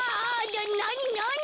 ななになに？